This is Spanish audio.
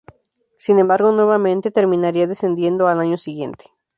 Sin embargo, nuevamente terminaría descendiendo al año siguiente.